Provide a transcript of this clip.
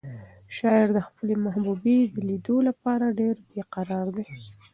شاعر د خپلې محبوبې د لیدو لپاره ډېر بې قراره دی.